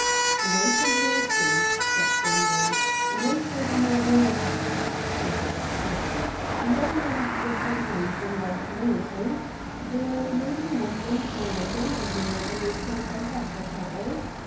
' Wait and you'll see,' said Gundy. ' One favour, my boy, I have to ask, and it's this. A man may have different names in life, mayn't he ? There may be one name for London and another name for South Africa, eh